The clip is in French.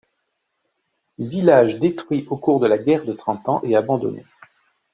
Village détruit au cours de la guerre de Trente ans et abandonné.